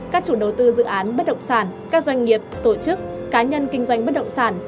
các chủ đầu tư dự án bất động sản các doanh nghiệp tổ chức cá nhân kinh doanh bất động sản